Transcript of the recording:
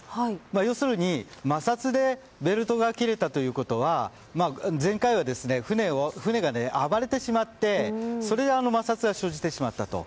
要するに、摩擦でベルトが切れたということは前回は船が暴れてしまってそれで摩擦が生じてしまったと。